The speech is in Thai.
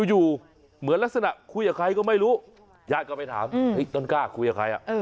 อยู่เหมือนลักษณะคุยกับใครก็ไม่รู้ญาติก็ไปถามต้นกล้าคุยกับใคร